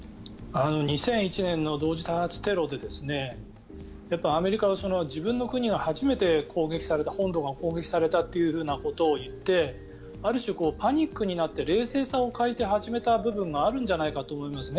２００１年の同時多発テロでアメリカは自分の国が初めて攻撃された本土が攻撃されたというふうなことを言ってある種、パニックになって冷静さを欠いて始めた部分があるんじゃないかと思いますね。